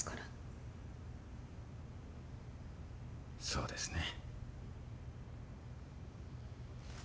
そうですね。